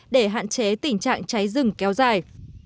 để hạn chế tình trạng cháy rừng kéo dài